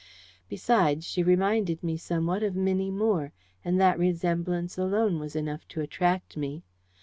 Besides, she reminded me somewhat of Minnie Moore, and that resemblance alone was enough to attract me.